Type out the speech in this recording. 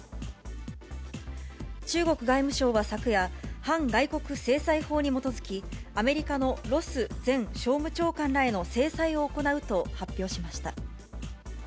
中国外務省は昨夜、反外国制裁法に基づき、アメリカのロス前商務長官らへの制裁を行うと発表しました。